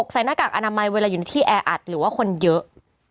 หน้ากากอนามัยเวลาอยู่ในที่แออัดหรือว่าคนเยอะ